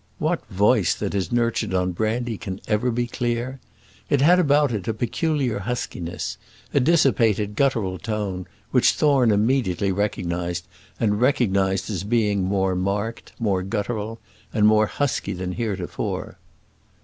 What voice that is nurtured on brandy can ever be clear? It had about it a peculiar huskiness, a dissipated guttural tone, which Thorne immediately recognised, and recognised as being more marked, more guttural, and more husky than heretofore.